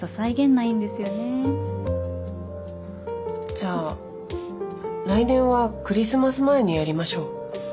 じゃあ来年はクリスマス前にやりましょう。